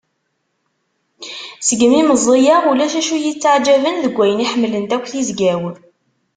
Segmi meẓẓiyeɣ ulac acu iyi-ttaɛǧaben deg wayen i ḥemmlent akk tizya-w.